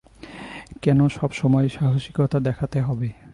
কেন সব সময় সাহসীকতা দেখাতে হবে?